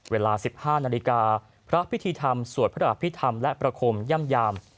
เวลา๑๕นาฬิกาพระพิธีธรรมสวดพระอภิษฐรรมและประคมย่ำยาม